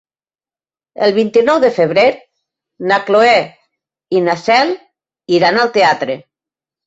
El vint-i-nou de febrer na Cloè i na Cel iran al teatre.